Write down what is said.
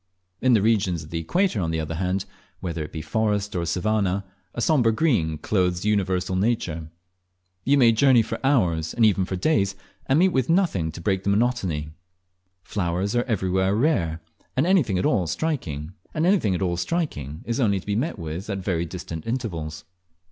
In the regions of the equator, on the other hand, whether it be forest or savannah, a sombre green clothes universal nature. You may journey for hours, and even for days, and meet with nothing to break the monotony. Flowers are everywhere rare, and anything at all striking is only to be met with at very distant intervals.